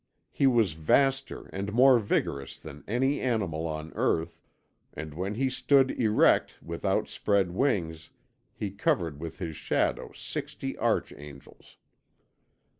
He was vaster and more vigorous than any animal on earth, and when he stood erect with outspread wings he covered with his shadow sixty archangels.